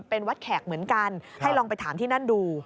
เป็นวัดแขกเหมือนกันให้ลองไปถามที่นั่นดู